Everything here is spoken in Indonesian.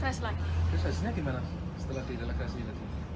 relaksasinya gimana setelah direlaksasi